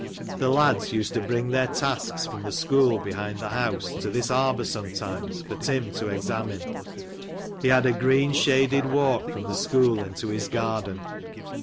The lads used to bring their tasks from the school behind the bouse, to this arbor sometimes, for Tim to examine. He had a green shaded walk from the school into his garden.